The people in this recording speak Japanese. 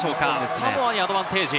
サモアにアドバンテージ。